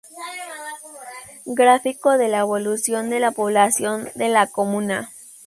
Gráfico de la evolución de la población de la comuna